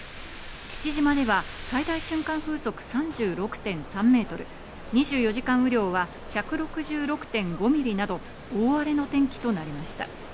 父島では最大瞬間風速３６．３メートル、２４時間雨量は１６６．５ミリなど、大荒れの天気となりました。